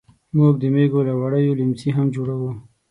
موږ د مېږو له وړیو لیمڅي هم جوړوو.